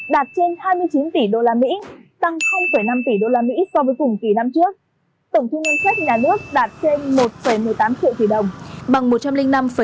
đạt trên hai mươi chín tỷ đô la mỹ tăng năm tỷ đô la mỹ so với cùng kỳ năm trước